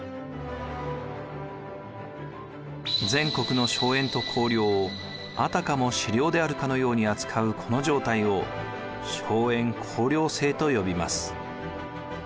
全国の荘園と公領をあたかも私領であるかのように扱うこの状態を荘園公領制と呼びます。